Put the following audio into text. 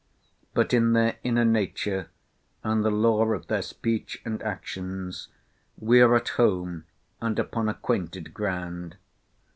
But in their inner nature, and the law of their speech and actions, we are at home and upon acquainted ground.